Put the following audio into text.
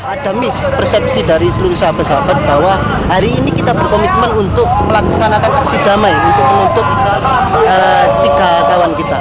ada mispersepsi dari seluruh sahabat sahabat bahwa hari ini kita berkomitmen untuk melaksanakan aksi damai untuk menuntut tiga kawan kita